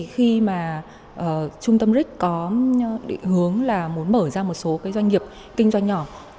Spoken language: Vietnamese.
khi mà trung tâm ric có định hướng là muốn mở ra một số doanh nghiệp kinh doanh nhỏ